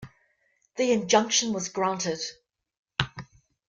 The injunction was granted.